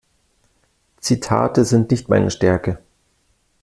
Zitate sind nicht meine Stärke.